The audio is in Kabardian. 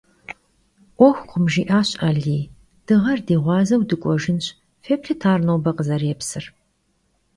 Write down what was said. «'Uexukhım ,— jji'aş Aliy ,— dığer di ğuazeu dık'uejjınş; fêplhıt ar nobe khızerêpsır».